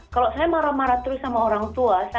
kalau saya marah marah terus sama orang tua